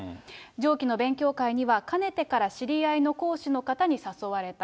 上記の勉強会にはかねてから知り合いの講師の方に誘われた。